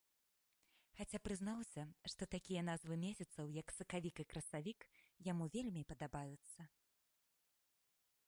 Хаця прызнаўся, што такія назвы месяцаў, як сакавік і красавік, яму вельмі падабаюцца.